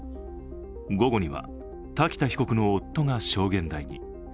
午後には瀧田被告の夫が証言台に。